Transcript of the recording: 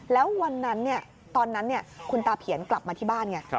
แล้ววันนั้นเนี่ยตอนนั้นเนี่ยคุณตาเพียรกลับมาที่บ้านไง